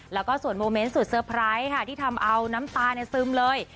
แล้วก็ส่วนโมเมนต์สุดเซอร์ไพรส์ค่ะที่ทำเอาน้ำตาซึมเลย